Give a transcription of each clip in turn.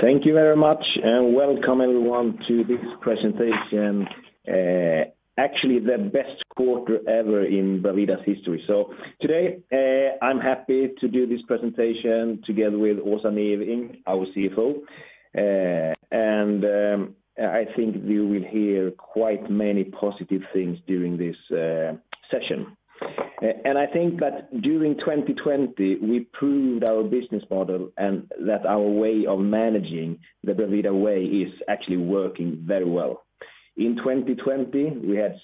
Thank you very much. Welcome everyone to this presentation. Actually the best quarter ever in Bravida's history. Today, I'm happy to do this presentation together with Åsa Neving, our CFO. I think you will hear quite many positive things during this session. I think that during 2020, we proved our business model and that our way of managing The Bravida Way is actually working very well. In 2020, we had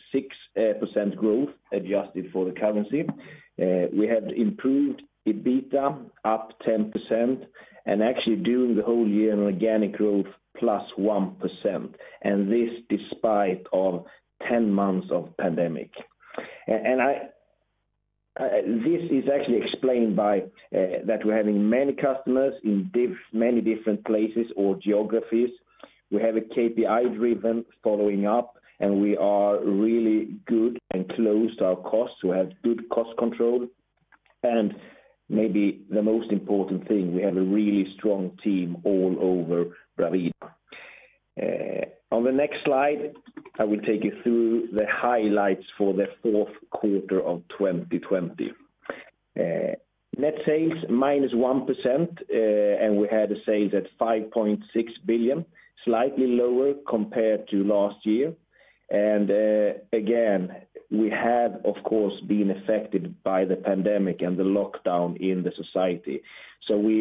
6% growth adjusted for the currency. We had improved EBITDA up 10% and actually during the whole year an organic growth +1%. This despite of 10 months of pandemic. This is actually explained by that we're having many customers in many different places or geographies. We have a KPI-driven following up, and we are really good and close to our costs. We have good cost control. Maybe the most important thing, we have a really strong team all over Bravida. On the next slide, I will take you through the highlights for the fourth quarter of 2020. Net sales -1%. We had sales at 5.6 billion, slightly lower compared to last year. Again, we have of course, been affected by the pandemic and the lockdown in the society. We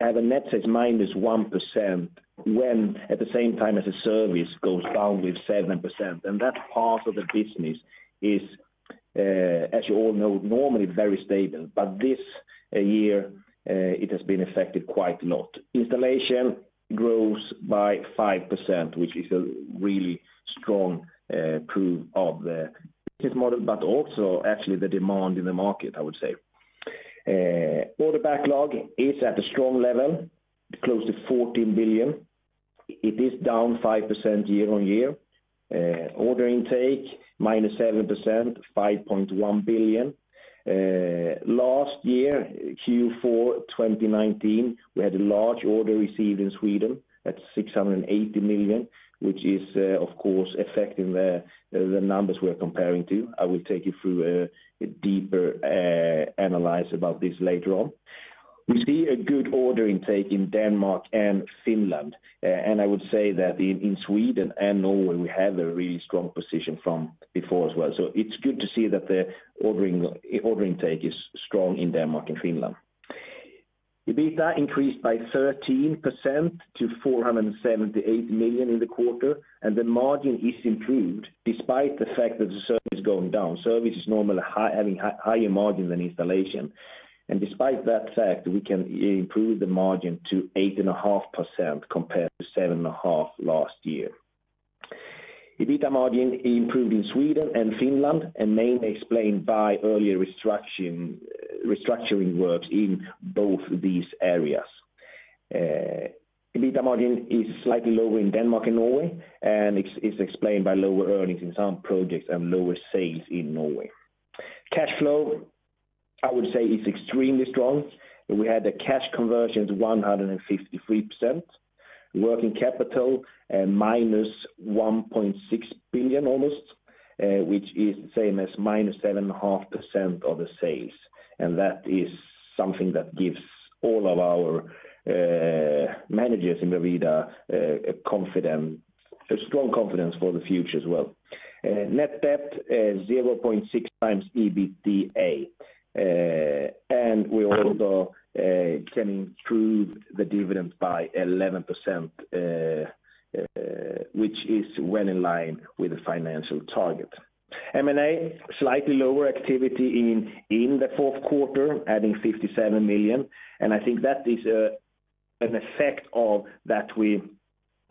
have a net sales -1% when at the same time as a service goes down with 7%. That part of the business is, as you all know, normally very stable. This year, it has been affected quite a lot. Installation grows by 5%, which is a really strong proof of the business model, but also actually the demand in the market, I would say. Order backlog is at a strong level, close to 14 billion. It is down 5% year-on-year. Order intake, -7%, 5.1 billion. Last year, Q4 2019, we had a large order received in Sweden at 680 million, which is, of course, affecting the numbers we're comparing to. I will take you through a deeper analysis about this later on. We see a good order intake in Denmark and Finland. I would say that in Sweden and Norway, we have a really strong position from before as well. It's good to see that the order intake is strong in Denmark and Finland. EBITDA increased by 13% to 478 million in the quarter, and the margin is improved despite the fact that the service is going down. Service is normally having higher margin than installation. Despite that fact, we can improve the margin to 8.5% compared to 7.5% last year. EBITDA margin improved in Sweden and Finland, mainly explained by earlier restructuring works in both these areas. EBITDA margin is slightly lower in Denmark and Norway, and it's explained by lower earnings in some projects and lower sales in Norway. Cash flow, I would say, is extremely strong. We had a cash conversion to 153%. Working capital -1.6 billion almost, which is the same as -7.5% of the sales. That is something that gives all of our managers in Bravida a strong confidence for the future as well. Net debt is 0.6x EBITDA. We also can improve the dividends by 11%, which is well in line with the financial target. M&A, slightly lower activity in the fourth quarter, adding 57 million. I think that is an effect of that we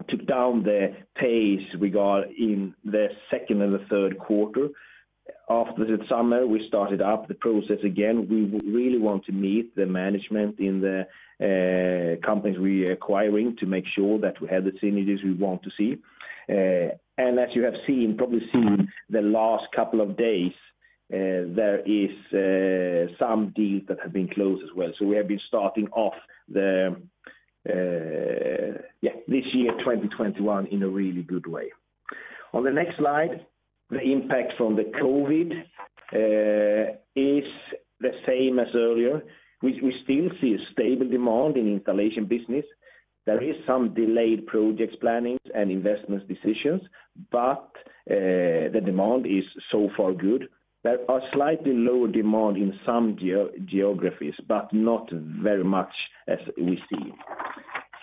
took down the pace we got in the second and the third quarter. After the summer, we started up the process again. We really want to meet the management in the companies we are acquiring to make sure that we have the synergies we want to see. As you have probably seen the last couple of days, there is some deals that have been closed as well. We have been starting off this year, 2021, in a really good way. On the next slide, the impact from the COVID is the same as earlier. We still see a stable demand in installation business. There is some delayed projects planning and investment decisions, but the demand is so far good. There are slightly lower demand in some geographies, but not very much as we see.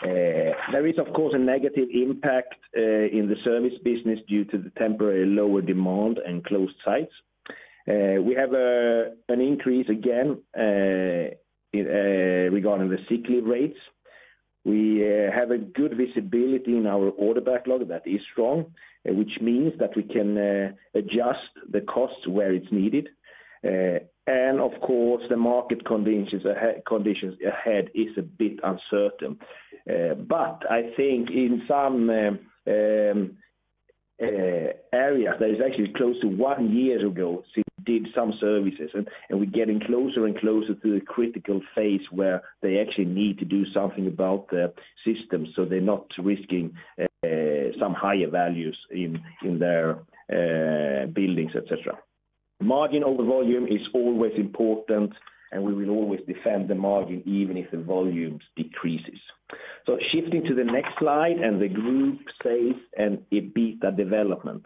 There is, of course, a negative impact in the service business due to the temporary lower demand and closed sites. We have an increase again regarding the sick leave rates. We have a good visibility in our order backlog that is strong, which means that we can adjust the cost where it's needed. Of course, the market conditions ahead is a bit uncertain. I think in some area that is actually close to one year ago since did some services, and we are getting closer and closer to the critical phase where they actually need to do something about the system, so they are not risking some higher values in their buildings, et cetera. Margin over volume is always important, and we will always defend the margin even if the volumes decreases. Shifting to the next slide and the group sales and EBITDA development.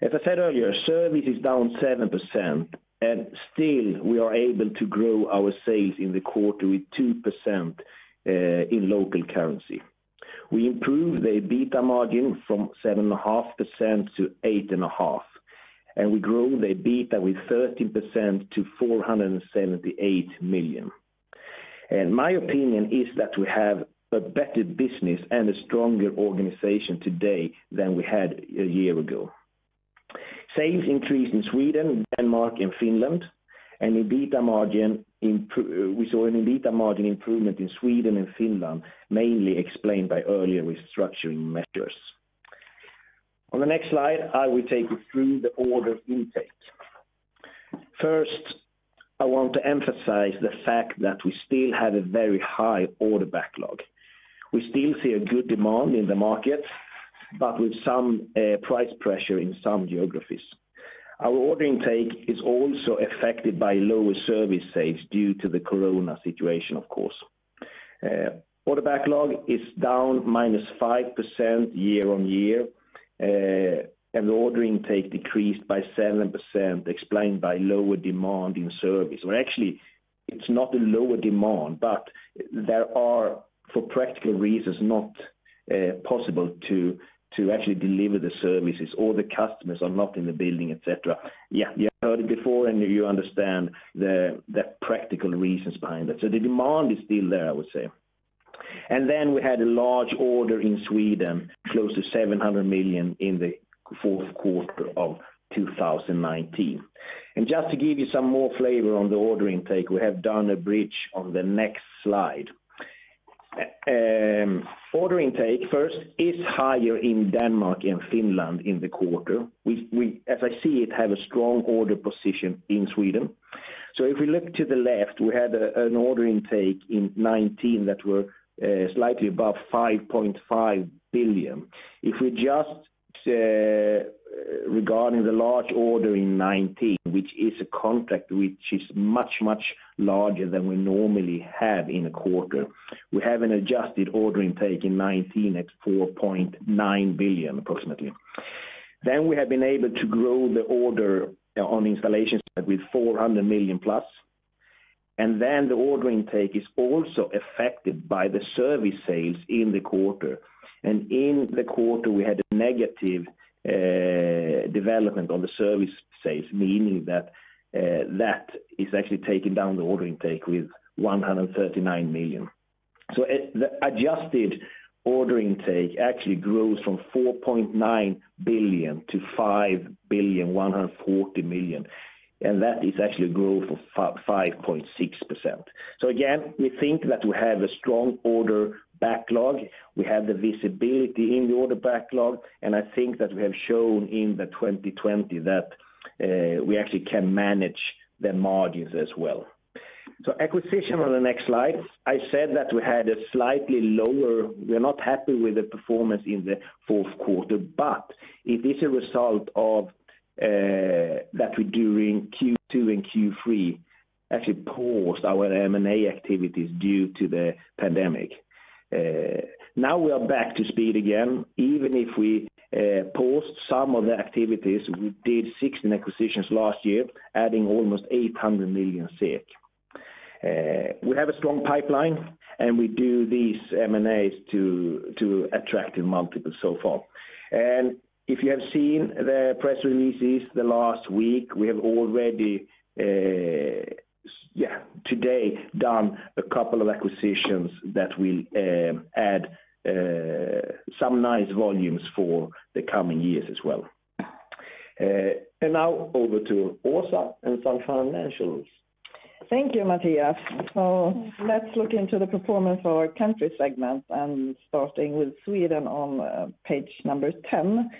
As I said earlier, service is down 7%, and still we are able to grow our sales in the quarter with 2% in local currency. We improved the EBITDA margin from 7.5% to 8.5%. We grow the EBITDA with 13% to 478 million. My opinion is that we have a better business and a stronger organization today than we had a year ago. Sales increased in Sweden, Denmark, and Finland. We saw an EBITDA margin improvement in Sweden and Finland, mainly explained by earlier restructuring measures. On the next slide, I will take you through the order intake. First, I want to emphasize the fact that we still have a very high order backlog. We still see a good demand in the market, but with some price pressure in some geographies. Our order intake is also affected by lower service sales due to the corona situation, of course. Order backlog is down -5% year-on-year. The order intake decreased by 7%, explained by lower demand in service. Well, actually, it is not a lower demand, but there are, for practical reasons, not possible to actually deliver the services or the customers are not in the building, et cetera. You have heard it before, and you understand the practical reasons behind that. The demand is still there, I would say. We had a large order in Sweden, close to 700 million in the fourth quarter of 2019. Just to give you some more flavor on the order intake, we have done a bridge on the next slide. Order intake, first, is higher in Denmark and Finland in the quarter. As I see it, we have a strong order position in Sweden. If we look to the left, we had an order intake in 2019 that were slightly above 5.5 billion. Regarding the large order in 2019, which is a contract which is much, much larger than we normally have in a quarter. We have an adjusted order intake in 2019 at 4.9 billion approximately. We have been able to grow the order on installation side with 400 million+. The order intake is also affected by the service sales in the quarter. In the quarter, we had a negative development on the service sales, meaning that is actually taking down the order intake with 139 million. The adjusted order intake actually grows from 4.9 billion to 5.14 billion, and that is actually a growth of 5.6%. Again, we think that we have a strong order backlog. We have the visibility in the order backlog, and I think that we have shown in the 2020 that we actually can manage the margins as well. Acquisition on the next slide. We are not happy with the performance in the fourth quarter, but it is a result of that we, during Q2 and Q3, actually paused our M&A activities due to the pandemic. Now we are back to speed again, even if we paused some of the activities, we did 16 acquisitions last year, adding almost 800 million SEK. We have a strong pipeline, and we do these M&As to attractive multiples so far. If you have seen the press releases the last week, we have already today done a couple of acquisitions that will add some nice volumes for the coming years as well. Now over to Åsa and some financials. Thank you, Mattias. Let us look into the performance of our country segment and starting with Sweden on page number 10.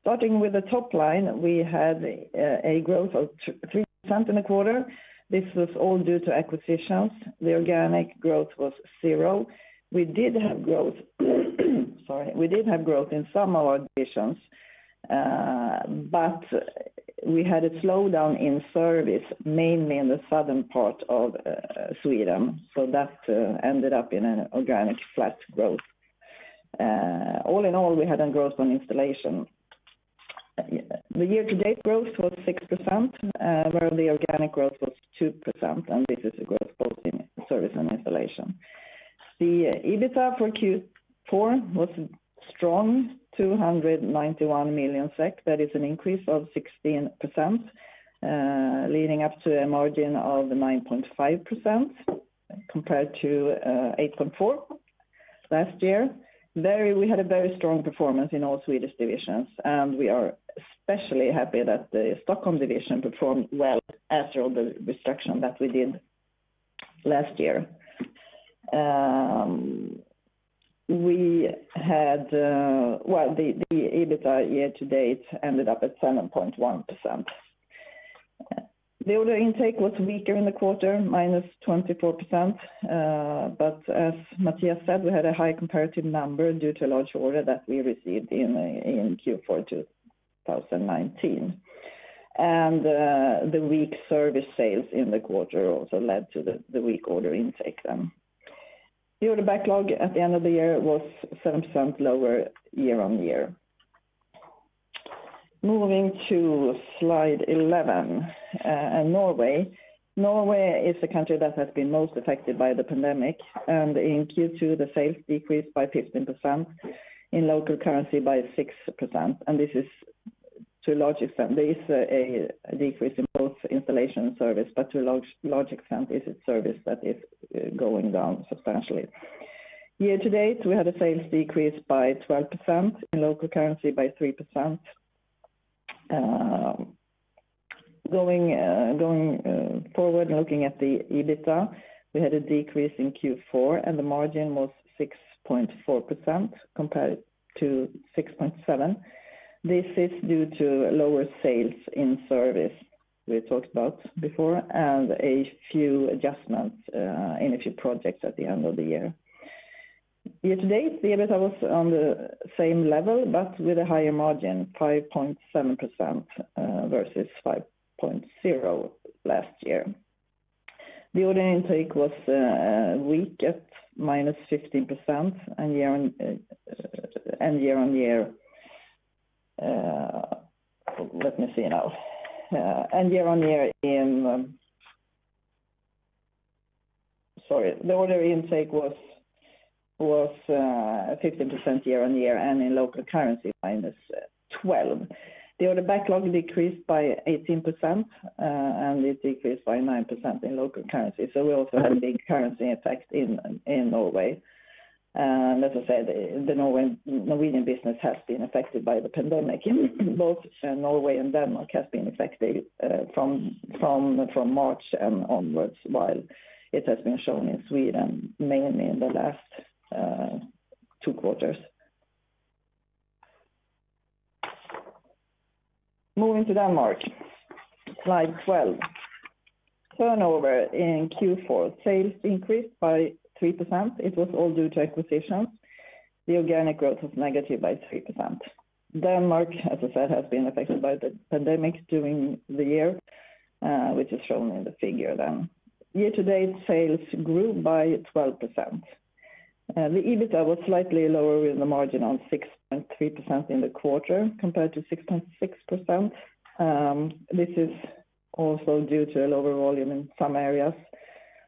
Starting with the top line, we had a growth of 3% in a quarter. This was all due to acquisitions. The organic growth was zero. We did have growth. Sorry. We did have growth in some of our divisions, but we had a slowdown in service, mainly in the southern part of Sweden. That ended up in an organic flat growth. All in all, we had a growth on installation. The year-to-date growth was 6%, where the organic growth was 2%, and this is a growth both in service and installation. The EBITDA for Q4 was strong, 291 million SEK. That is an increase of 16%, leading up to a margin of 9.5% compared to 8.4% last year. We had a very strong performance in all Swedish divisions, and we are especially happy that the Stockholm division performed well after all the restructuring that we did last year. The EBITDA year-to-date ended up at 7.1%. The order intake was weaker in the quarter, -24%. As Mattias said, we had a high comparative number due to a large order that we received in Q4 2019. The weak service sales in the quarter also led to the weak order intake then. The order backlog at the end of the year was 7% lower year-on-year. Moving to slide 11. Norway is the country that has been most affected by the pandemic, and in Q2, the sales decreased by 15%, in local currency by 6%. There is a decrease in both installation and service, but to a large extent, it's service that is going down substantially. Year to date, we had a sales decrease by 12%, in local currency by 3%. Going forward and looking at the EBITDA, we had a decrease in Q4. The margin was 6.4% compared to 6.7%. This is due to lower sales in service we talked about before and a few adjustments in a few projects at the end of the year. Year to date, the EBITDA was on the same level but with a higher margin, 5.7% versus 5.0% last year. The order intake was weak at -15% year on year. Let me see now. Sorry. The order intake was 15% year on year. In local currency, -12%. The order backlog decreased by 18%. It decreased by 9% in local currency. We also had a big currency effect in Norway. As I said, the Norwegian business has been affected by the pandemic. Both Norway and Denmark have been affected from March and onwards, while it has been shown in Sweden mainly in the last two quarters. Moving to Denmark, slide 12. Turnover in Q4, sales increased by 3%. It was all due to acquisitions. The organic growth was negative by 3%. Denmark, as I said, has been affected by the pandemic during the year, which is shown in the figure then. Year to date, sales grew by 12%. The EBITDA was slightly lower with a margin of 6.3% in the quarter compared to 6.6%. This is also due to a lower volume in some areas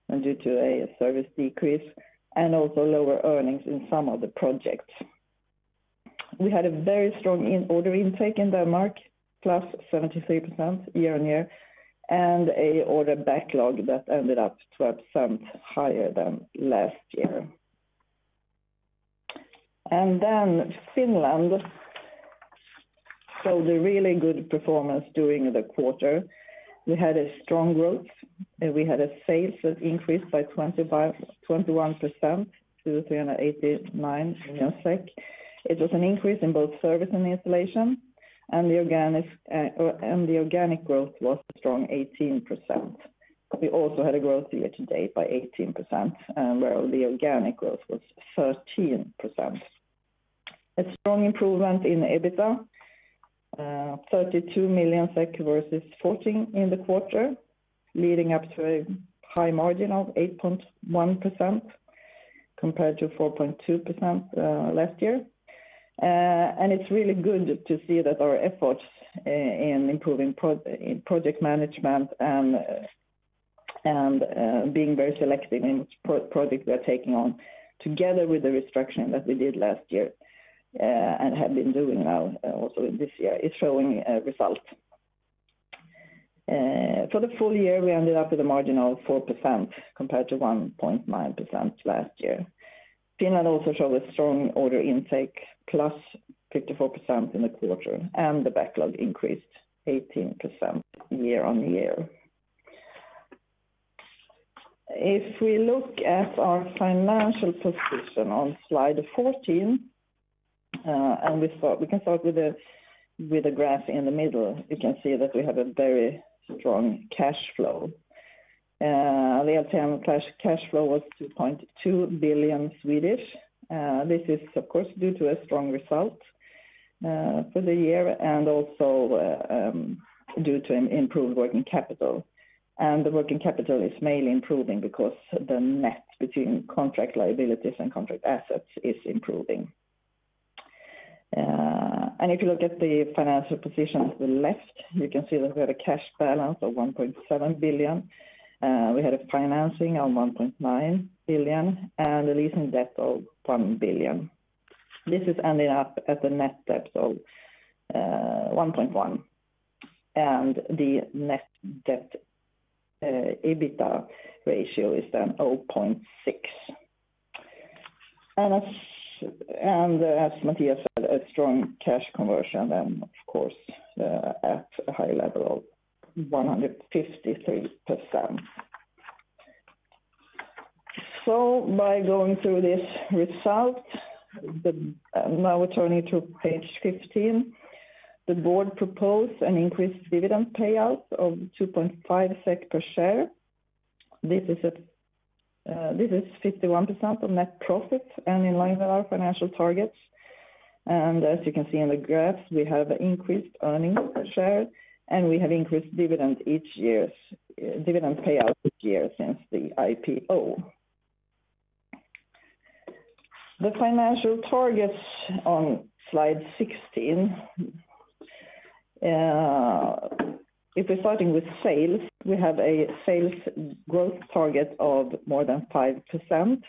and due to a service decrease and also lower earnings in some of the projects. We had a very strong order intake in Denmark, +73% year-on-year, and an order backlog that ended up 12% higher than last year. Finland showed a really good performance during the quarter. We had a strong growth, we had a sales that increased by 21% to 389. It was an increase in both service and installation, the organic growth was a strong 18%. We also had a growth year-to-date by 18%, where the organic growth was 13%. A strong improvement in EBITDA, 32 million SEK versus 14 in the quarter, leading up to a high margin of 8.1% compared to 4.2% last year. It's really good to see that our efforts in improving project management and being very selective in which project we are taking on together with the restructuring that we did last year and have been doing now also in this year is showing results. For the full year, we ended up with a margin of 4% compared to 1.9% last year. Finland also showed a strong order intake, +54% in the quarter, and the backlog increased 18% year-on-year. If we look at our financial position on slide 14, and we can start with the graph in the middle, you can see that we have a very strong cash flow. The LTM cash flow was 2.2 billion. This is, of course, due to a strong result for the year and also due to an improved working capital. The working capital is mainly improving because the net between contract liabilities and contract assets is improving. If you look at the financial position at the left, you can see that we have a cash balance of 1.7 billion. We had a financing of 1.9 billion and a leasing debt of 1 billion. This is ending up at a net debt of 1.1 billion. The net debt EBITDA ratio is then 0.6. As Mattias said, a strong cash conversion then, of course, at a high level of 153%. By going through this result, now turning to page 15, the board proposed an increased dividend payout of 2.5 SEK per share. This is 51% of net profit and in line with our financial targets. As you can see in the graphs, we have increased earnings per share, and we have increased dividend payout each year since the IPO. The financial targets on slide 16. If we're starting with sales, we have a sales growth target of more than 5%,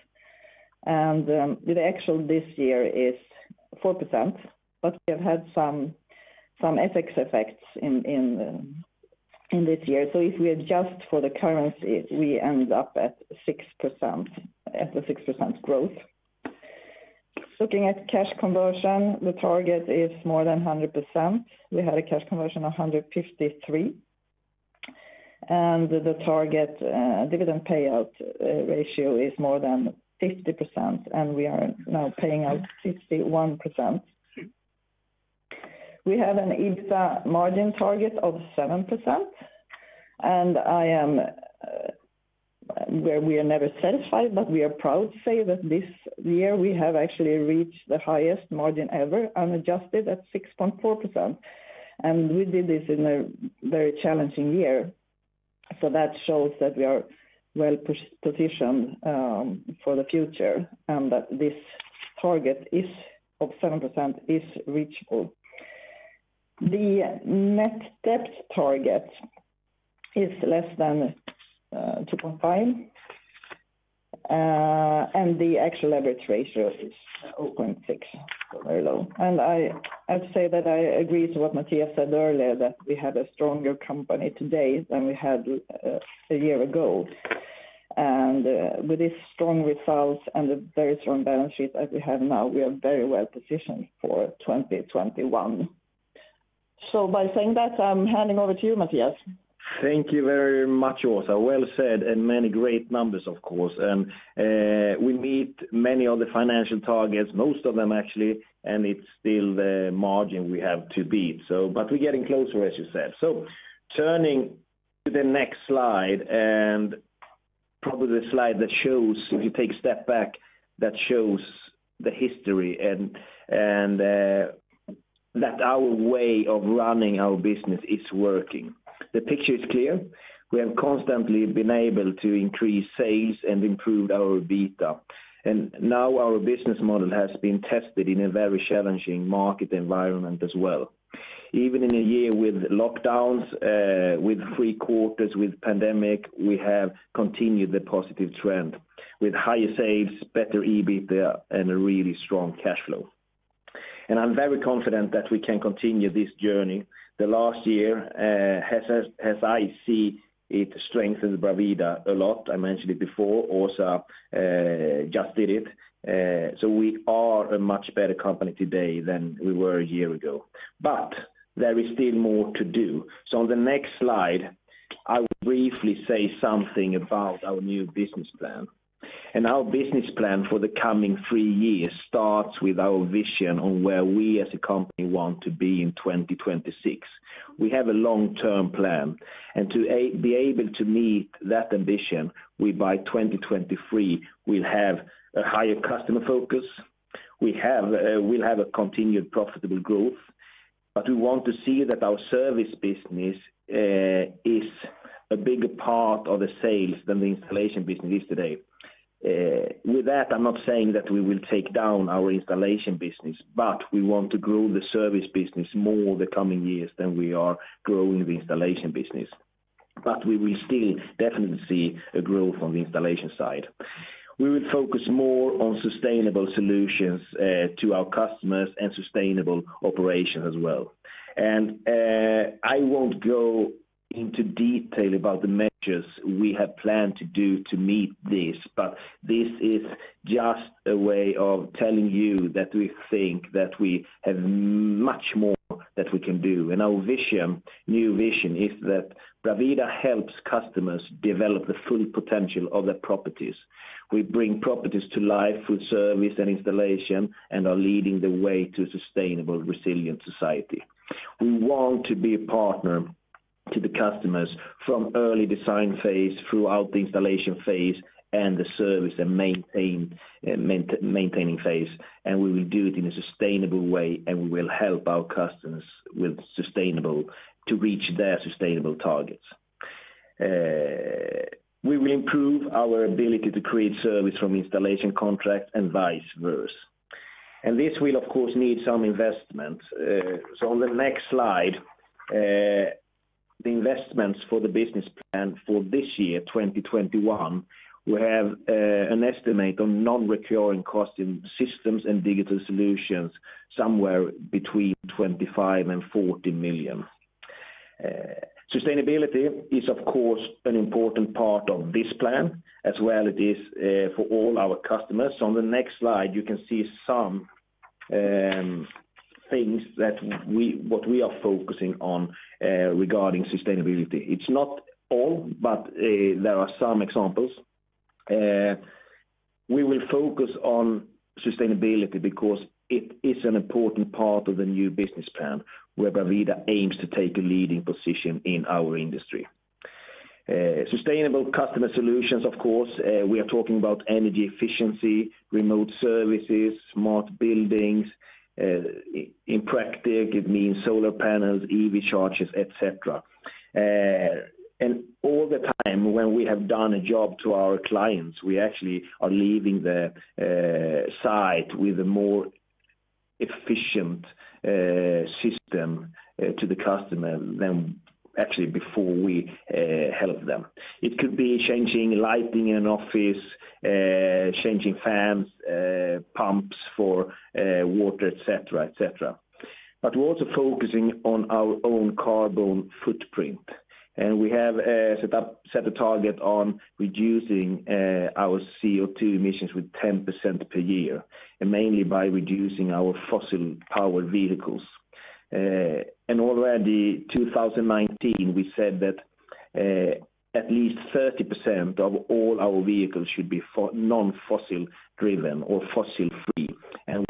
and the actual this year is 4%, but we have had some FX effects in this year. If we adjust for the currency, we end up at 6% growth. Looking at cash conversion, the target is more than 100%. We had a cash conversion 153%. The target dividend payout ratio is more than 50%, and we are now paying out 61%. We have an EBITDA margin target of 7%. Where we are never satisfied, but we are proud to say that this year we have actually reached the highest margin ever, unadjusted at 6.4%. That shows that we are well-positioned for the future and that this target of 7% is reachable. The net debt target is less than 2.5. The actual leverage ratio is 0.6. Very low. I'd say that I agree to what Mattias said earlier, that we have a stronger company today than we had a year ago. With this strong result and the very strong balance sheet that we have now, we are very well positioned for 2021. By saying that, I'm handing over to you, Mattias. Thank you very much, Åsa. Well said, many great numbers, of course. We meet many of the financial targets, most of them actually, it's still the margin we have to beat. We're getting closer, as you said. Turning to the next slide, and probably the slide that shows, if you take a step back, that shows the history and that our way of running our business is working. The picture is clear. We have constantly been able to increase sales and improve our EBITDA. Now our business model has been tested in a very challenging market environment as well. Even in a year with lockdowns, with three quarters with pandemic, we have continued the positive trend with higher sales, better EBITDA, and a really strong cash flow. I'm very confident that we can continue this journey. The last year, as I see it, strengthened Bravida a lot. I mentioned it before. Åsa just did it. We are a much better company today than we were a year ago. There is still more to do. On the next slide, I will briefly say something about our new business plan. Our business plan for the coming three years starts with our vision on where we as a company want to be in 2026. We have a long-term plan, and to be able to meet that ambition, by 2023, we'll have a higher customer focus. We'll have a continued profitable growth, but we want to see that our service business is a bigger part of the sales than the installation business is today. With that, I'm not saying that we will take down our installation business, but we want to grow the service business more the coming years than we are growing the installation business. We will still definitely see a growth on the installation side. We will focus more on sustainable solutions to our customers and sustainable operations as well. I won't go into detail about the measures we have planned to do to meet this, but this is just a way of telling you that we think that we have much more that we can do. Our new vision is that Bravida helps customers develop the full potential of their properties. We bring properties to life with service and installation and are leading the way to a sustainable, resilient society. We want to be a partner to the customers from early design phase throughout the installation phase and the service and maintaining phase. We will do it in a sustainable way. We will help our customers to reach their sustainable targets. We will improve our ability to create service from installation contract and vice versa. This will, of course, need some investment. On the next slide, the investments for the business plan for this year, 2021. We have an estimate on non-recurring cost in systems and digital solutions somewhere between 25 million and 40 million. Sustainability is of course an important part of this plan as it is for all our customers. On the next slide, you can see some things what we are focusing on regarding sustainability. It's not all. There are some examples. We will focus on sustainability because it is an important part of the new business plan where Bravida aims to take a leading position in our industry. Sustainable customer solutions, of course, we are talking about energy efficiency, remote services, smart buildings. In practice, it means solar panels, EV chargers, et cetera. All the time when we have done a job to our clients, we actually are leaving the site with a more efficient system to the customer than actually before we helped them. It could be changing lighting in an office, changing fans, pumps for water, et cetera. We're also focusing on our own carbon footprint, and we have set a target on reducing our CO2 emissions with 10% per year, and mainly by reducing our fossil power vehicles. Already 2019, we said that at least 30% of all our vehicles should be non-fossil driven or fossil-free.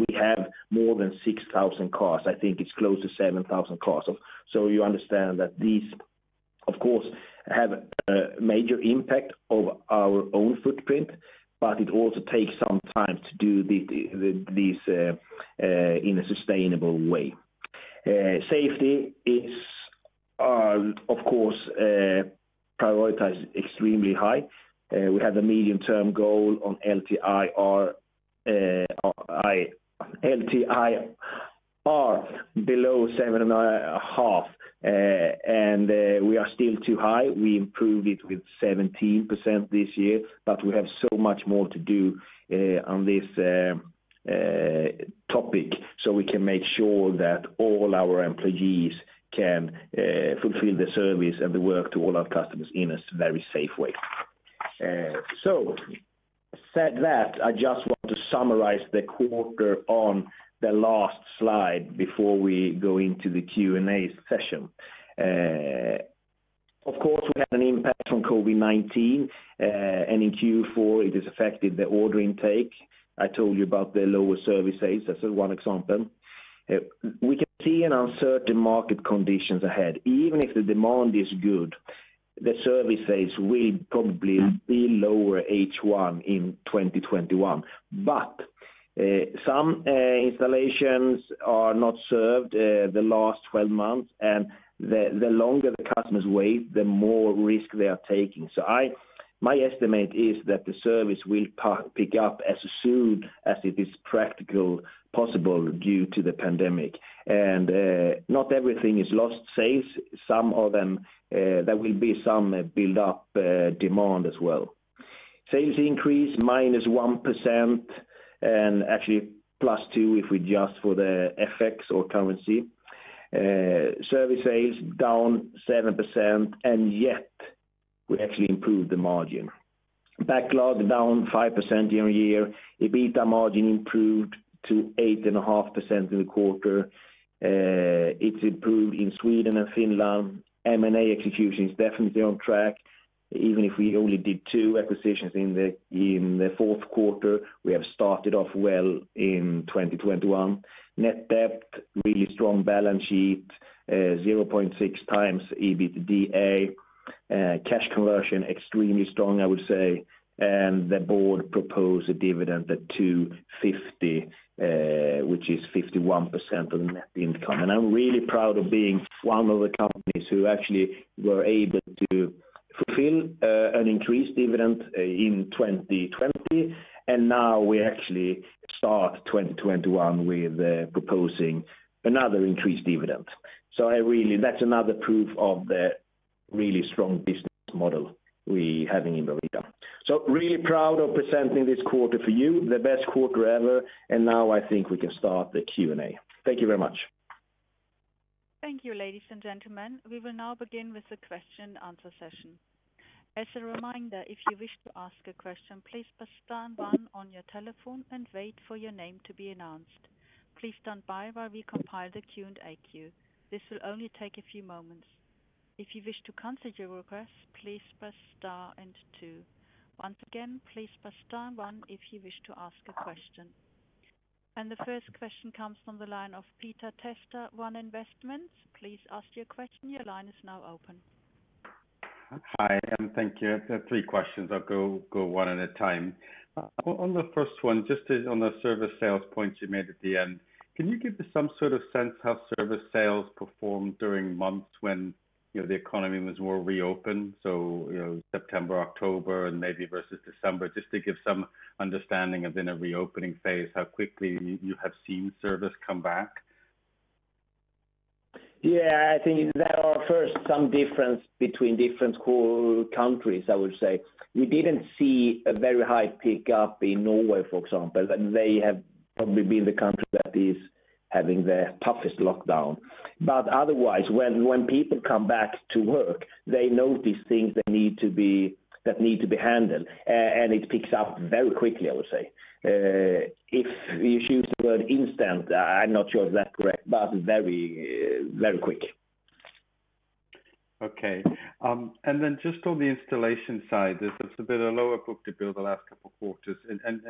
We have more than 6,000 cars. I think it's close to 7,000 cars. You understand that these of course, have a major impact of our own footprint, but it also takes some time to do this in a sustainable way. Safety is, of course, prioritized extremely high. We have a medium-term goal on LTIR below 7.5, and we are still too high. We improved it with 17% this year, but we have so much more to do on this topic so we can make sure that all our employees can fulfill the service and the work to all our customers in a very safe way. Said that, I just want to summarize the quarter on the last slide before we go into the Q&A session. We had an impact from COVID-19, and in Q4 it has affected the order intake. I told you about the lower service sales as one example. We can see an uncertain market conditions ahead. Even if the demand is good, the service sales will probably be lower H1 in 2021. Some installations are not served the last 12 months, and the longer the customers wait, the more risk they are taking. My estimate is that the service will pick up as soon as it is practical possible due to the pandemic. Not everything is lost sales. There will be some build-up demand as well. Sales increase -1%, and actually -2 if we adjust for the FX or currency. Service sales down 7%, and yet we actually improved the margin. Backlog down 5% year-over-year. EBITDA margin improved to 8.5% in the quarter. It's improved in Sweden and Finland. M&A execution is definitely on track, even if we only did two acquisitions in the fourth quarter. We have started off well in 2021. Net debt, really strong balance sheet, 0.6x EBITDA. Cash conversion extremely strong, I would say. The board proposed a dividend at 2.50, which is 51% of the net income. I'm really proud of being one of the companies who actually were able to fulfill an increased dividend in 2020. Now we actually start 2021 with proposing another increased dividend. That's another proof of the really strong business model we have in Bravida. Really proud of presenting this quarter for you, the best quarter ever, now I think we can start the Q&A. Thank you very much. Thank you, ladies and gentlemen. We will now begin with the question and answer session. As a reminder, if you wish to ask a question, please press star one on your telephone and wait for your name to be announced. Please standby while we compile the Q&A queue. This will only take a few moments. If you wish to contact your request, please press star and two. Once again, please press star one if you wish to ask a question. The first question comes from the line of Peter Testa, One Investments. Please ask your question. Your line is now open. Hi, and thank you. I have got three questions. I will go one at a time. On the first one, just on the service sales point you made at the end, can you give us some sort of sense how service sales performed during months when the economy was more reopened? September, October, and maybe versus December, just to give some understanding of in a reopening phase, how quickly you have seen service come back. Yeah, I think there are first some difference between different core countries, I would say. We didn't see a very high pick-up in Norway, for example, and they have probably been the country that is having the toughest lockdown. Otherwise, when people come back to work, they know these things that need to be handled, and it picks up very quickly, I would say. If you use the word instant, I'm not sure if that's correct, but very quick. Okay. Just on the installation side, there's a bit of lower book-to-bill the last couple of quarters.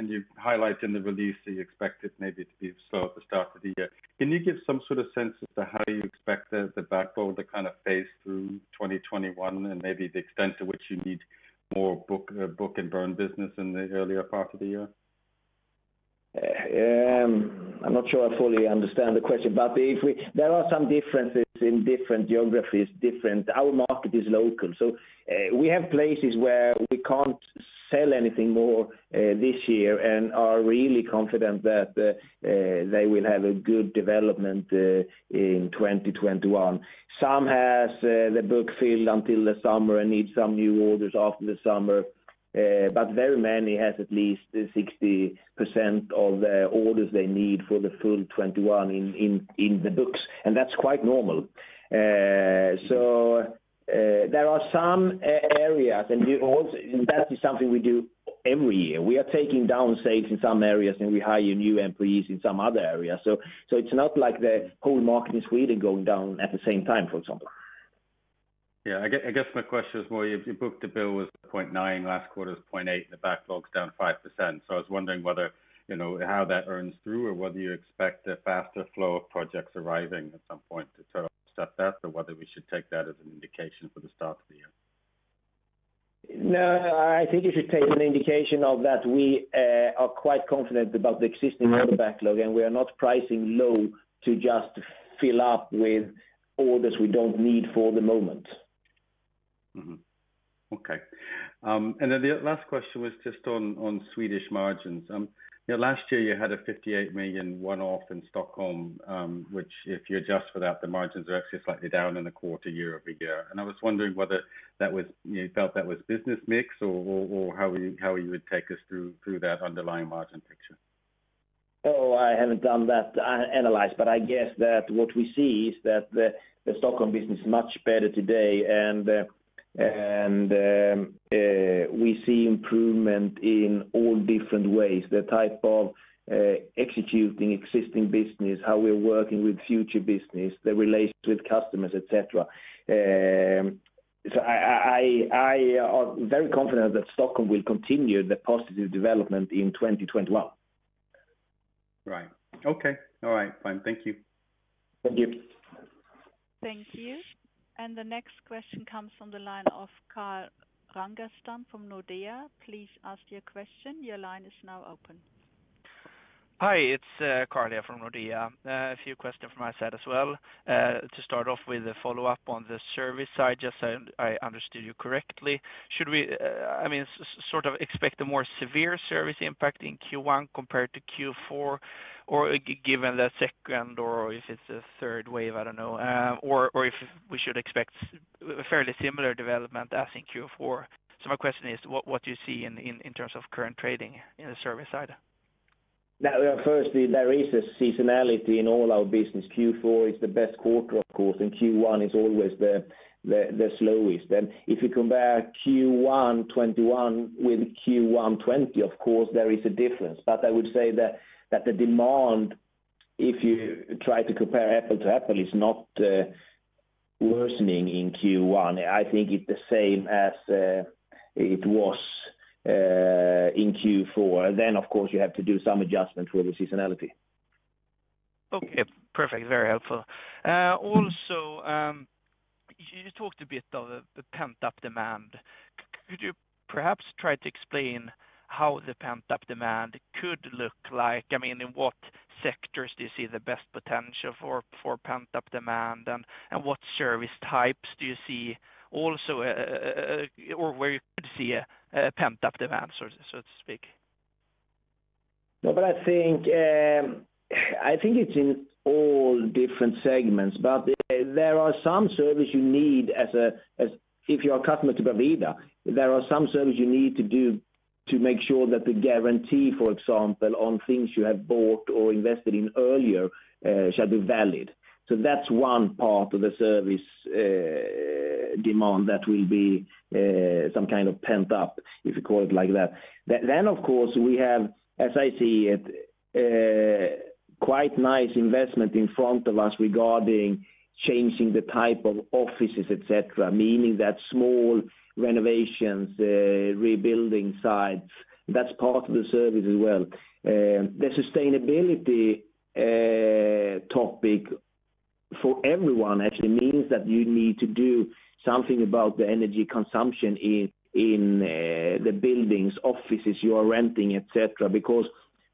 You've highlighted in the release that you expect it maybe to be slow at the start of the year. Can you give some sort of sense as to how you expect the backlog to phase through 2021 and maybe the extent to which you need more book and burn business in the earlier part of the year? I'm not sure I fully understand the question. There are some differences in different geographies. Our market is local. We have places where we can't sell anything more this year and are really confident that they will have a good development in 2021. Some have the book filled until the summer and need some new orders after the summer. Very many have at least 60% of the orders they need for the full 2021 in the books, and that's quite normal. There are some areas, and that is something we do every year. We are taking down sales in some areas, and we hire new employees in some other areas. It's not like the whole market in Sweden going down at the same time, for example. Yeah, I guess my question is more your book-to-bill was 0.9, last quarter was 0.8, and the backlog's down 5%. I was wondering how that earns through or whether you expect a faster flow of projects arriving at some point to sort of offset that, or whether we should take that as an indication for the start of the year. No, I think you should take an indication of that we are quite confident about the existing order backlog, and we are not pricing low to just fill up with orders we don't need for the moment. Mm-hmm. Okay. The last question was just on Swedish margins. Last year you had a 58 million one-off in Stockholm, which if you adjust for that, the margins are actually slightly down in the quarter year-over-year. I was wondering whether you felt that was business mix or how you would take us through that underlying margin picture. Oh, I haven't done that analysis, but I guess that what we see is that the Stockholm business is much better today, and we see improvement in all different ways, the type of executing existing business, how we're working with future business, the relations with customers, et cetera. I am very confident that Stockholm will continue the positive development in 2021. Right. Okay. All right, fine. Thank you. Thank you. Thank you. The next question comes from the line of Carl Ragnerstam from Nordea. Please ask your question. Hi, it's Carl from Nordea. A few questions from my side as well. To start off with a follow-up on the service side, just so I understood you correctly, should we expect a more severe service impact in Q1 compared to Q4? Given the second or if it's a third wave, I don't know, or if we should expect a fairly similar development as in Q4? My question is, what do you see in terms of current trading in the service side? Firstly, there is a seasonality in all our business. Q4 is the best quarter, of course, and Q1 is always the slowest. If you compare Q1 2021 with Q1 2020, of course, there is a difference. I would say that the demand, if you try to compare apple to apple, is not worsening in Q1. I think it's the same as it was in Q4. Of course, you have to do some adjustment for the seasonality. Okay, perfect. Very helpful. You talked a bit of the pent-up demand. Could you perhaps try to explain how the pent-up demand could look like? I mean, in what sectors do you see the best potential for pent-up demand, and what service types do you see also or where you could see a pent-up demand, so to speak? I think it's in all different segments, but there are some service you need if you are a customer to Bravida. There are some service you need to do to make sure that the guarantee, for example, on things you have bought or invested in earlier shall be valid. That's one part of the service demand that will be some kind of pent-up, if you call it like that. Of course, we have, as I see it, quite nice investment in front of us regarding changing the type of offices, et cetera, meaning that small renovations, rebuilding sites, that's part of the service as well. The sustainability topic for everyone actually means that you need to do something about the energy consumption in the buildings, offices you are renting, et cetera.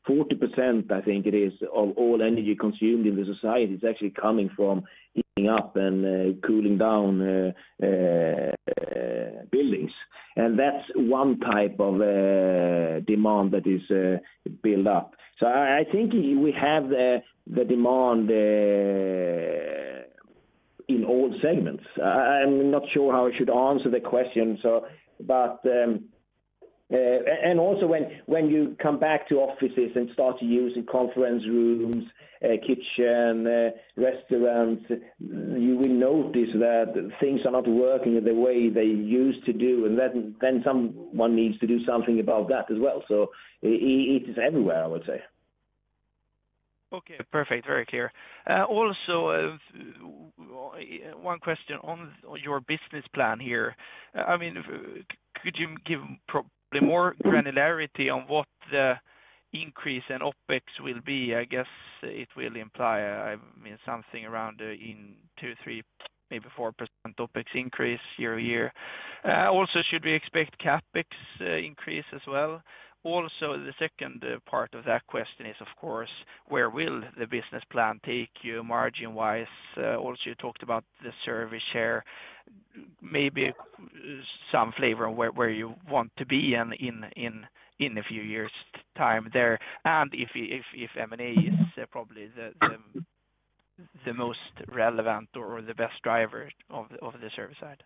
40%, I think it is, of all energy consumed in the society is actually coming from heating up and cooling down buildings. That's one type of demand that is built up. I think we have the demand in all segments. I'm not sure how I should answer the question. Also when you come back to offices and start using conference rooms, kitchen, restaurants, you will notice that things are not working the way they used to do, and then someone needs to do something about that as well. It is everywhere, I would say. Okay, perfect. Very clear. One question on your business plan here. Could you give probably more granularity on what the increase in OpEx will be? I guess it will imply something around in 2%, 3%, maybe 4% OpEx increase year over year. Should we expect CapEx increase as well? The second part of that question is, of course, where will the business plan take you margin-wise? You talked about the service share, maybe some flavor on where you want to be in a few years time there and if M&A is probably the most relevant or the best driver of the service side?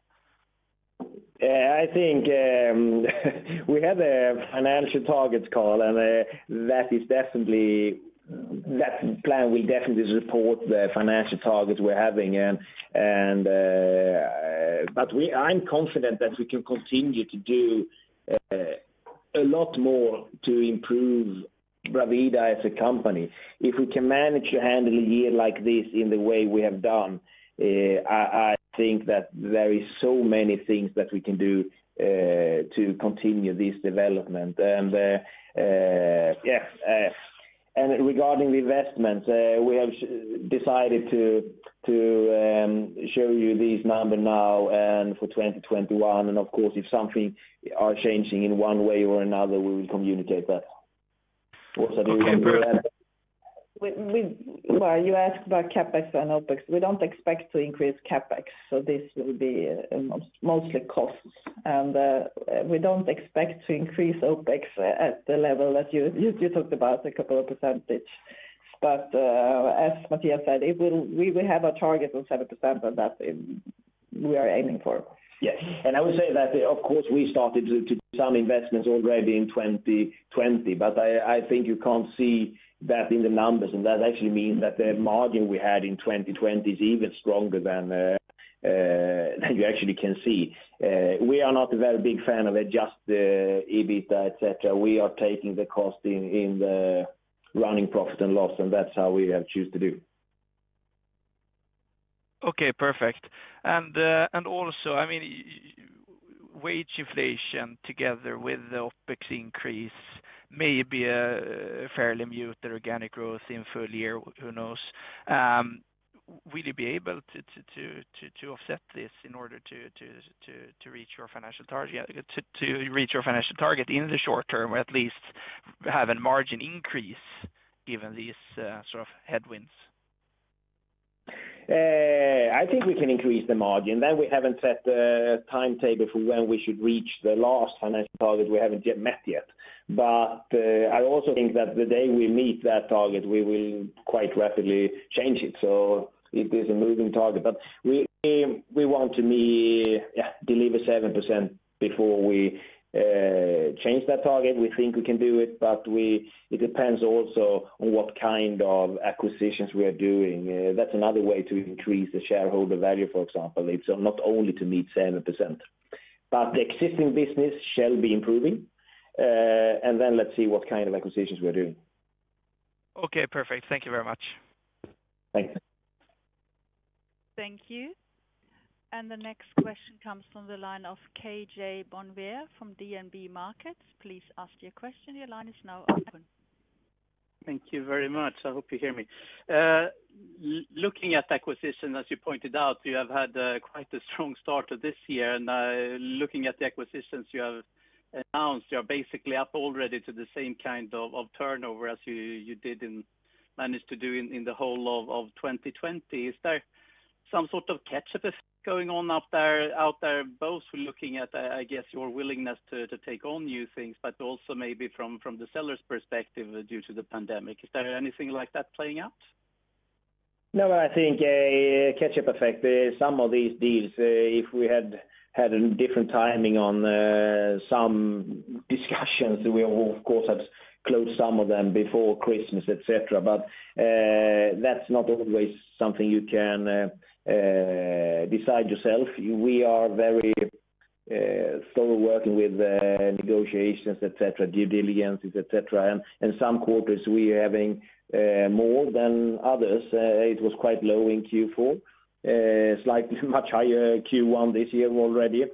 We had a financial targets call. That plan will definitely support the financial targets we're having. I'm confident that we can continue to do a lot more to improve Bravida as a company. If we can manage to handle a year like this in the way we have done, I think that there is so many things that we can do to continue this development. Regarding the investments, we have decided to show you these number now and for 2021. Of course, if something are changing in one way or another, we will communicate that. Okay, perfect. You asked about CapEx and OpEx. We don't expect to increase CapEx, so this will be mostly costs. We don't expect to increase OpEx at the level that you talked about, a couple of percent. As Mattias said, we will have a target of 7%, but that we are aiming for. Yes. I would say that, of course, we started to do some investments already in 2020. I think you can't see that in the numbers. That actually means that the margin we had in 2020 is even stronger than you actually can see. We are not a very big fan of adjust the EBITDA, et cetera. We are taking the cost in the running profit and loss, and that's how we have choose to do. Okay, perfect. Also, wage inflation together with the OpEx increase may be a fairly muted organic growth in full year. Who knows? Will you be able to offset this in order to reach your financial target in the short term, or at least have a margin increase given these sort of headwinds? I think we can increase the margin. We haven't set a timetable for when we should reach the last financial target we haven't yet met yet. I also think that the day we meet that target, we will quite rapidly change it. It is a moving target. We want to deliver 7% before we change that target. We think we can do it, but it depends also on what kind of acquisitions we are doing. That's another way to increase the shareholder value, for example. It's not only to meet 7%, but the existing business shall be improving. Let's see what kind of acquisitions we're doing. Okay, perfect. Thank you very much. Thank you. Thank you. The next question comes from the line of K-J Bonnevier from DNB Markets. Please ask your question. Thank you very much. I hope you hear me. Looking at acquisition, as you pointed out, you have had quite a strong start to this year. Looking at the acquisitions you have announced, you are basically up already to the same kind of turnover as you managed to do in the whole of 2020. Is there some sort of catch-up effect going on out there, both looking at, I guess, your willingness to take on new things, but also maybe from the seller's perspective due to the pandemic? Is there anything like that playing out? I think a catch-up effect, some of these deals, if we had had a different timing on some discussions, we of course have closed some of them before Christmas, et cetera. That's not always something you can decide yourself. We are very slow working with negotiations, et cetera, due diligences, et cetera, and some quarters we are having more than others. It was quite low in Q4. Slightly much higher Q1 this year already.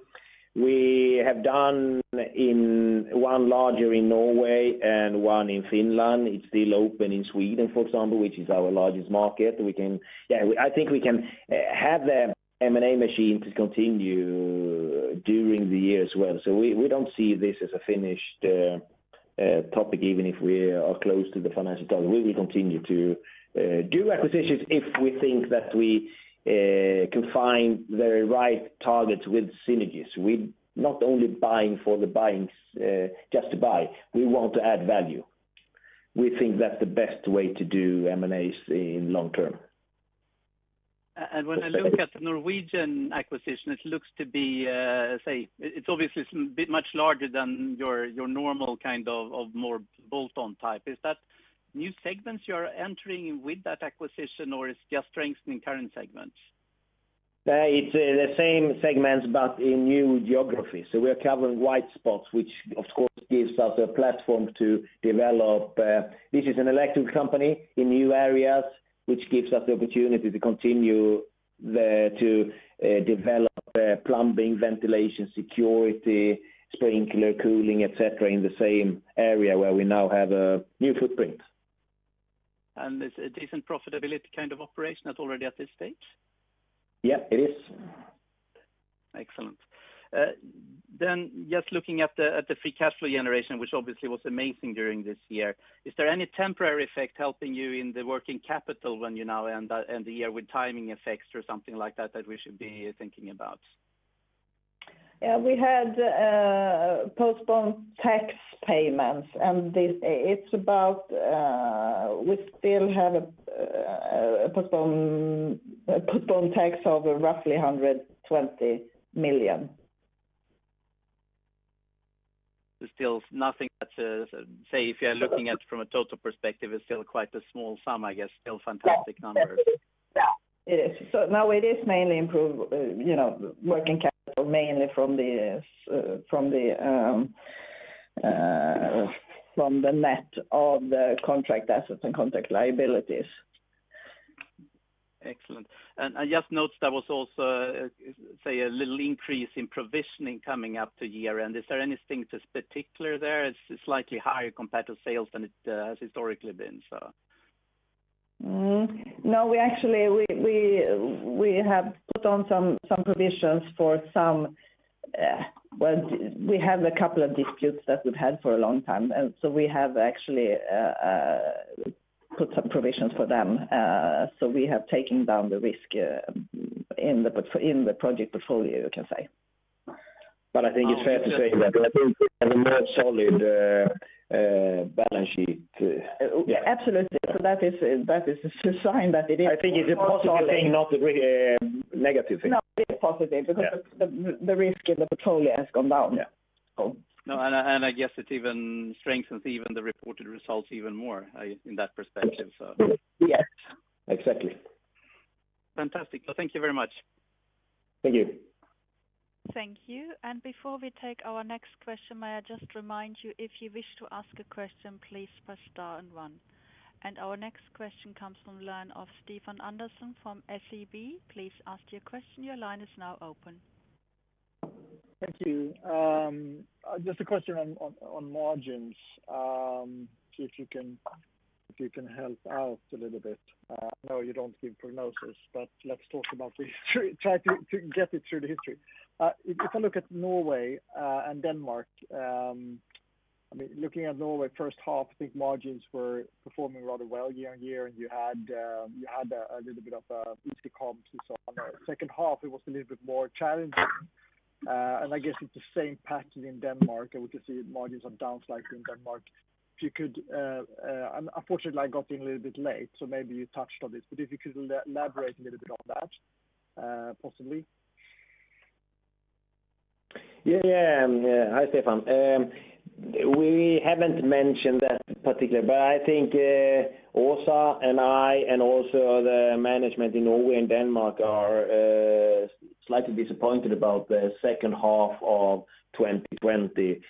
We have done one larger in Norway and one in Finland. It's still open in Sweden, for example, which is our largest market. I think we can have the M&A machine to continue during the year as well. We don't see this as a finished topic, even if we are close to the financial target. We will continue to do acquisitions if we think that we can find the right targets with synergies. We're not only buying for the buying just to buy. We want to add value. We think that's the best way to do M&As in long term. When I look at the Norwegian acquisition, it looks to be, say, it's obviously much larger than your normal kind of more bolt-on type. Is that new segments you are entering with that acquisition or it's just strengthening current segments? It's the same segments but in new geographies. We are covering white spots, which of course gives us a platform to develop. This is an electric company in new areas, which gives us the opportunity to continue to develop plumbing, ventilation, security, sprinkler cooling, et cetera, in the same area where we now have a new footprint. It's a decent profitability kind of operation already at this stage? Yes, it is. Excellent. Just looking at the free cash flow generation, which obviously was amazing during this year, is there any temporary effect helping you in the working capital when you now end the year with timing effects or something like that we should be thinking about? We had postponed tax payments, and we still have a postponed tax of roughly SEK 120 million. There's still nothing that, say, if you're looking at it from a total perspective, it's still quite a small sum, I guess. Still fantastic numbers. Yeah, it is. Now it is mainly improved working capital mainly from the net of the contract assets and contract liabilities. Excellent. I just noticed there was also, say, a little increase in provisioning coming up to year-end. Is there anything that's particular there? It's slightly higher compared to sales than it has historically been. We have put on some provisions for some. Well, we have a couple of disputes that we've had for a long time, we have actually put some provisions for them. We have taken down the risk in the project portfolio, you can say. I think it's fair to say that we have a more solid balance sheet. Absolutely. That is a sign that it is. I think it's a positive thing, not a negative thing. No, it is positive because the risk in the portfolio has gone down. Yeah. No, I guess it even strengthens even the reported results even more in that perspective. Yes. Exactly. Fantastic. Thank you very much. Thank you. Thank you. Before we take our next question, may I just remind you, if you wish to ask a question, please press star and one. Our next question comes from the line of Stefan Andersson from SEB. Please ask your question. Thank you. Just a question on margins. See if you can help out a little bit. I know you don't give prognosis, but let's talk about the history, try to get it through the history. If I look at Norway and Denmark, looking at Norway first half, I think margins were performing rather well year-over-year, and you had a little bit of competition. Second half, it was a little bit more challenging. I guess it's the same pattern in Denmark, and we can see margins are down slightly in Denmark. Unfortunately, I got in a little bit late, so maybe you touched on this, but if you could elaborate a little bit on that possibly. Yeah. Hi, Stefan. We haven't mentioned that particular, but I think Åsa and I, and also the management in Norway and Denmark are slightly disappointed about the second half of 2020.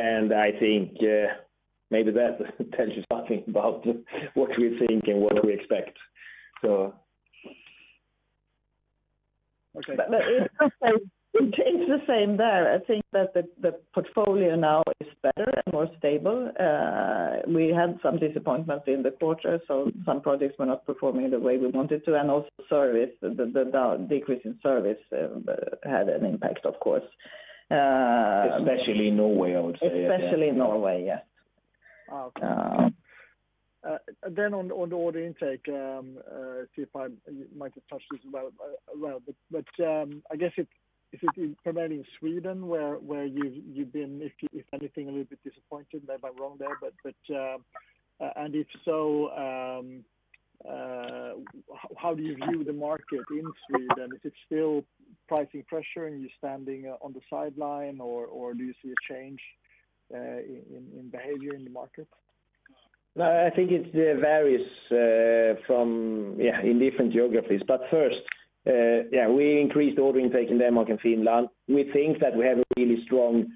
I think maybe that tells you something about what we think and what we expect. Okay. It's the same there. I think that the portfolio now is better and more stable. We had some disappointments in the quarter, so some projects were not performing the way we wanted to, and also service, the decrease in service had an impact, of course. Especially in Norway, I would say. Especially in Norway, yes. Okay. On the order intake, you might have touched this as well, but I guess if it is primarily in Sweden where you've been, if anything, a little bit disappointed, maybe I'm wrong there, and if so, how do you view the market in Sweden? Is it still pricing pressure and you're standing on the sideline, or do you see a change in behavior in the market? No, I think it varies in different geographies. First, we increased order intake in Denmark and Finland. We think that we have a really strong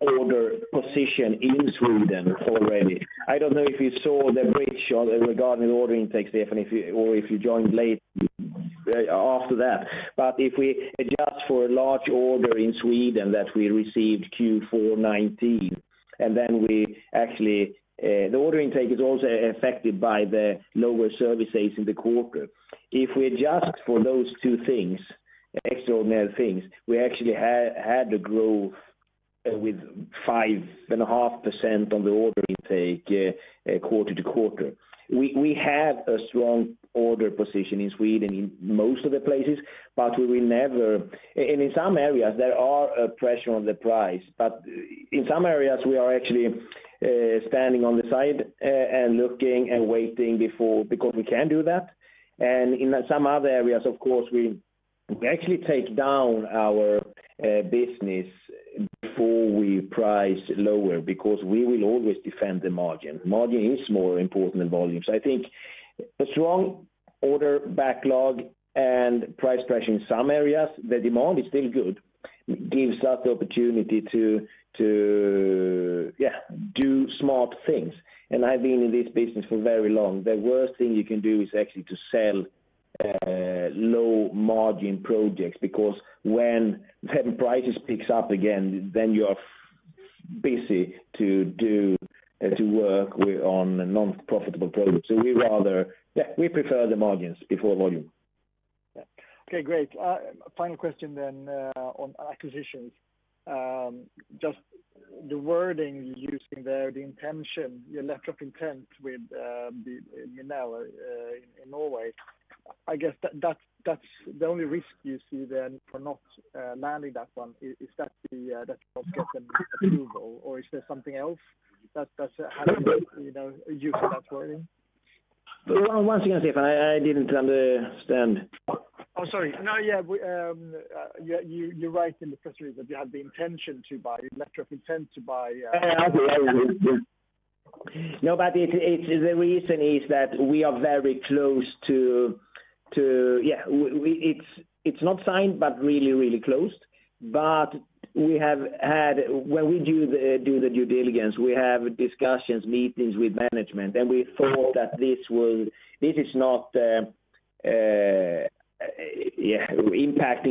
order position in Sweden already. I don't know if you saw the bridge regarding order intakes, Stefan, or if you joined late after that. If we adjust for a large order in Sweden that we received Q4 2019, and then we actually, the order intake is also affected by the lower service days in the quarter. If we adjust for those two things, extraordinary things, we actually had a growth of 5.5% on the order intake quarter-to-quarter. We have a strong order position in Sweden in most of the places, and in some areas there is a pressure on the price, but in some areas, we are actually standing on the side and looking and waiting because we can do that. In some other areas, of course, we actually take down our business before we price lower, because we will always defend the margin. Margin is more important than volumes. I think a strong order backlog and price pressure in some areas, the demand is still good, gives us the opportunity to do smart things. I've been in this business for very long. The worst thing you can do is actually to sell low margin projects, because when prices picks up again, then you are busy to work on non-profitable projects. We prefer the margins before volume. Okay, great. Final question on acquisitions. The wording you're using there, the letter of intent with Minel in Norway. I guess that's the only risk you see then for not landing that one is that they don't get the approval, or is there something else that's handling, using that wording? Once again, Stefan, I didn't understand. Oh, sorry. No, yeah. You write in the press release that you have the intention to buy. No, the reason is that we are very close to, it's not signed, but really, really close. When we do the due diligence, we have discussions, meetings with management, and we thought that this is not impacting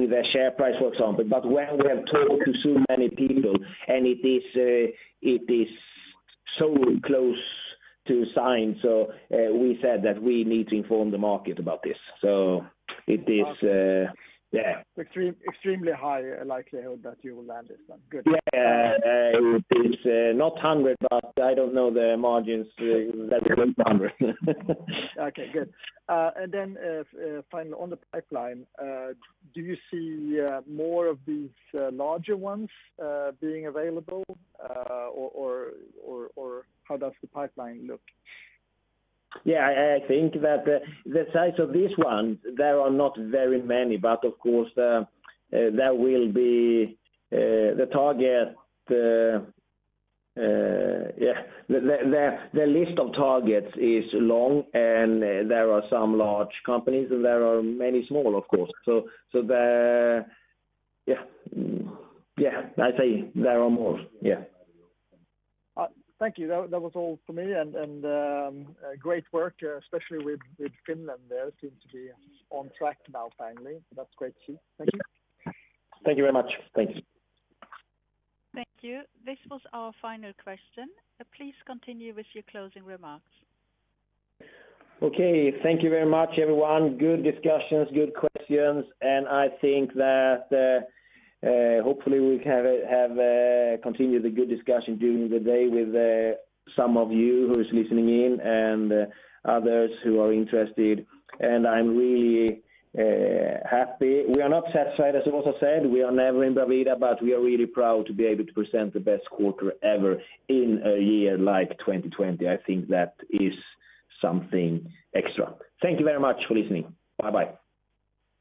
the share price, for example. When we have talked to so many people, and it is so close to sign, so we said that we need to inform the market about this. It is. Extremely high likelihood that you will land this one. Good. Yeah. It's not 100%, but I don't know the margins that it went 100%. Okay, good. Finally, on the pipeline, do you see more of these larger ones being available, or how does the pipeline look? Yeah, I think that the size of this one, there are not very many, but of course, the list of targets is long, and there are some large companies, and there are many small, of course. Yeah. I say there are more. Yeah. Thank you. That was all from me. Great work, especially with Finland there. Seems to be on track now finally. That's great to see. Thank you. Thank you very much. Thanks. Thank you. This was our final question. Please continue with your closing remarks. Okay. Thank you very much, everyone. Good discussions, good questions. I think that hopefully we have continued the good discussion during the day with some of you who is listening in and others who are interested. I'm really happy. We are not satisfied, as I also said, we are never in Bravida. We are really proud to be able to present the best quarter ever in a year like 2020. I think that is something extra. Thank you very much for listening. Bye-bye.